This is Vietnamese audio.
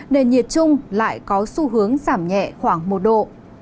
nên nhiệt trung lại có xu hướng giảm nhẹ khoảng một độ